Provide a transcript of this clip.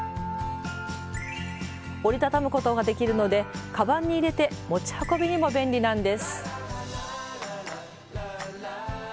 折りたたむことができるのでカバンに入れて持ち運びにも便利なんです。